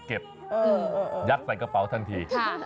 ทาเก็บยัดใต้กระเป๋าทั้งที